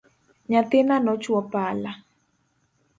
Nyathina nochwo pala